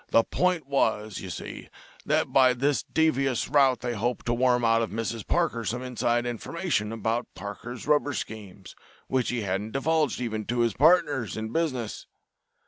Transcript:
The point was, you see, that by this devious route they hoped to worm out of Mrs. Parker some inside information about Parker's rubber schemes, which he hadn't divulged even to his partners in business.